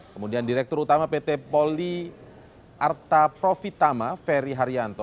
kemudian direktur utama pt poli arta profitama ferry haryanto